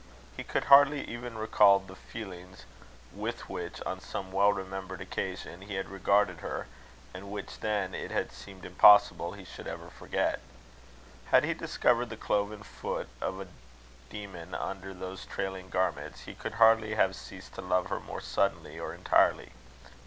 He could hardly even recall the feelings with which, on some well remembered occasion, he had regarded her, and which then it had seemed impossible he should ever forget. Had he discovered the cloven foot of a demon under those trailing garments he could hardly have ceased to love her more suddenly or entirely.